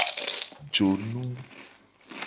Jonu.